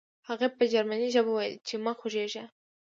هغې په جرمني ژبه وویل چې مه خوځېږه